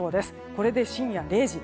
これで深夜０時。